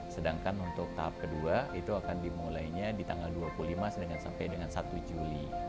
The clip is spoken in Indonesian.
sedangkan untuk tahap kedua itu akan dimulainya di tanggal dua puluh lima sampai dengan satu juli